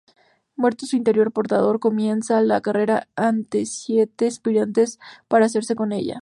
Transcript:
Muerto su anterior portador, comienza la carrera entre siete aspirantes para hacerse con ella.